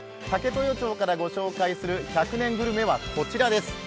こちらから紹介する１００年グルメはこちらです。